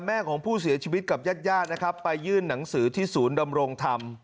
แม่ของผู้เสียชีวิตกับญาติญาตินะครับไปยื่นหนังสือที่ศูนย์ดำรงธรรม